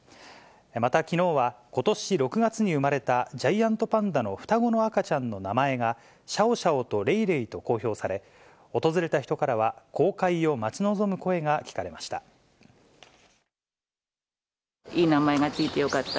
またきのうは、ことし６月に産まれたジャイアントパンダの双子の赤ちゃんの名前が、シャオシャオとレイレイと公表され、訪れた人からは、公開を待ち望む声が聞かれました。